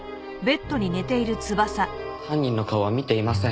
犯人の顔は見ていません。